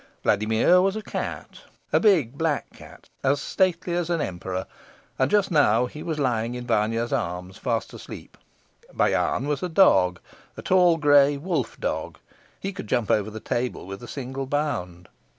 Vladimir was a cat, a big black cat, as stately as an emperor, and just now he was lying in Vanya's arms fast asleep. Bayan was a dog, a tall gray wolf dog. He could jump over the table with a single bound.